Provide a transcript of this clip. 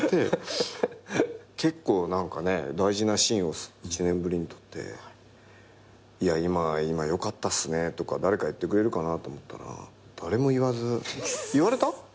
結構何かね大事なシーンを１年ぶりに撮って「いや今良かったっすね」とか誰か言ってくれるかなと思ったら誰も言わず言われた？